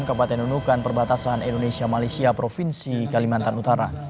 kabupaten nunukan perbatasan indonesia malaysia provinsi kalimantan utara